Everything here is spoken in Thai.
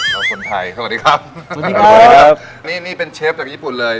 เธอคนนี้เป็นเชฟซักญี่ปุ่นเลย